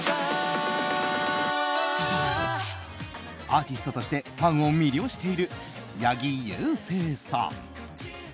アーティストとしてファンを魅了している八木勇征さん。